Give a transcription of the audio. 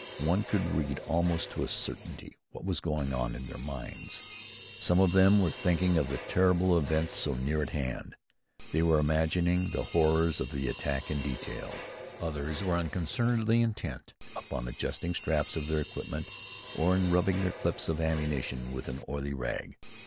One could read, almost to a certainty, what was going on in their minds. Some of them were thinking of the terrible events so near at hand. They were imagining the horrors of the attack in detail. Others were unconcernedly intent upon adjusting straps of their equipment, or in rubbing their clips of ammunition with an oily rag.